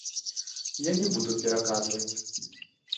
Я не буду пераказваць.